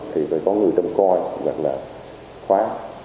thì phải có người đồng coi hoặc là khóa